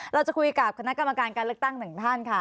เราจะคุยกับคณะกรรมการการเลือกตั้งหนึ่งท่านค่ะ